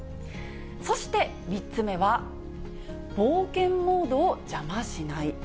そして３つ目は冒険モードを邪魔しない。